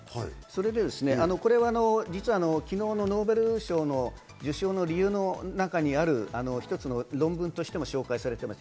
昨日のノーベル賞の受賞の理由の中にある、一つの論文としても紹介されていました